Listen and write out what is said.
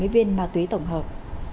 một trăm bảy mươi viên ma túy tổng hợp